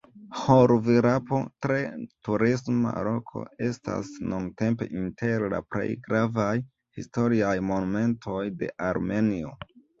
Ĥor-Virapo, tre turisma loko, estas nuntempe inter la plej gravaj historiaj monumentoj de Armenio.